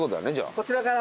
こちらから。